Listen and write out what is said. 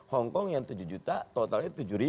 hongkong yang tujuh juta totalnya tujuh